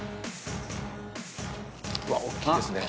うわっおっきいですね。